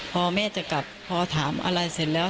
พอแม่จะกลับพอถามอะไรเสร็จแล้ว